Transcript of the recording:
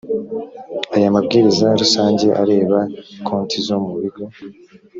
aya mabwiriza rusange areba konti zo mu bigo